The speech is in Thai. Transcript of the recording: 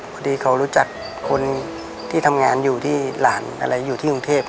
พอดีเขารู้จักคนที่ทำงานอยู่ที่หลานอะไรอยู่ที่กรุงเทพ